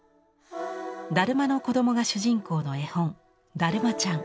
だるまの子どもが主人公の絵本「だるまちゃん」。